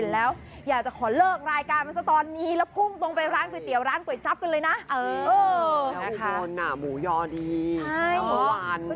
แล้วอุโมนนะหมูยอดีน้ำหวาน